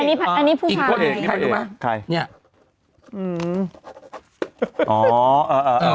คนอื่นไว้เองกูจะอย่างงี้มาดูมั้ยเนี่ยอ๋ออออ